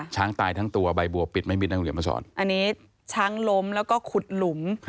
ช้างตายทั้งตัวใบบัวปิดไม่มิดอันนี้ช้างล้มแล้วก็ขุดหลุม